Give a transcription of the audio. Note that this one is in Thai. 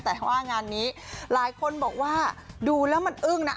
แต่ว่างานนี้หลายคนบอกว่าดูแล้วมันอึ้งนะ